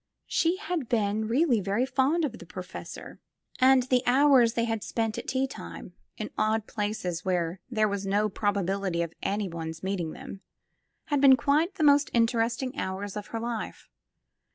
She had been really very fond of the professor^ and 179 SQUARE PEGGY the hours they had spent at tea time, in odd places where there was no probability of any one's meeting them, had been quite the most interesting hours of her life.